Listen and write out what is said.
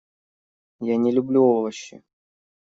Я не люблю овощи.